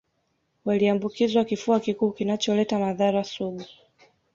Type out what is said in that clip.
Waliambukizwa kifua kikuu kinacholeta madhara sugu